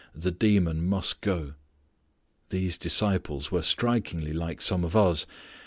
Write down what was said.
The demon must go. These disciples were strikingly like some of us.